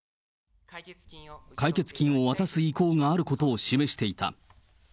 解決金を渡す意向があることを示していた。